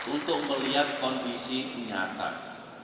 untuk melihat kondisi kenyataan